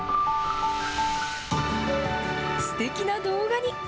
すてきな動画に。